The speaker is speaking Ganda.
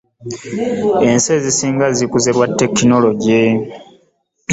ensi ezisinga zikuze lwa tekinologiya.